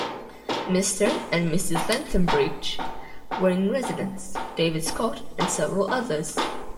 Mr. and Mrs. Lethbridge were in residence, David Scott and several others.